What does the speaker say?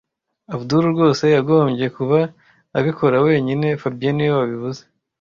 Abdul rwose yagombye kuba abikora wenyine fabien niwe wabivuze